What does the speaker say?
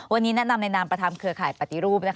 วันนี้แนะนำในนามประธานเครือข่ายปฏิรูป